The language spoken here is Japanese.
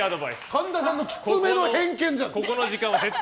神田さんのきつめの偏見じゃん。